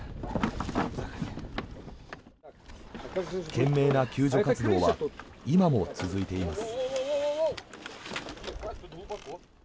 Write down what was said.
懸命な救助活動は今も続いています。